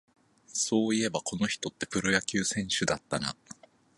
そういえば、この人ってプロ野球選手だったな